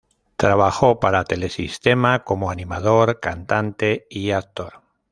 Trabajó para Telesistema como animador, cantante y actor.